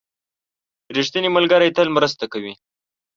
• ریښتینی ملګری تل مرسته کوي.